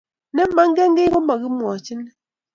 ne megen kii ko makimwachin